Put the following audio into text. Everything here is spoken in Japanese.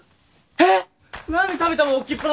えっ！？